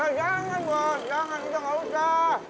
eh jangan bos jangan kita gak usah